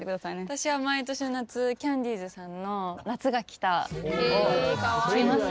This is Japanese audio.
私は毎年夏キャンディーズさんの「夏が来た！」を聴きます。